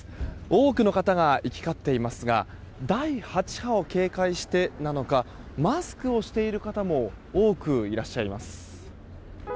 多くの方が行き交っていますが第８波を警戒してなのかマスクをしている方も多くいらっしゃいます。